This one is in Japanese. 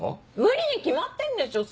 無理に決まってんでしょ！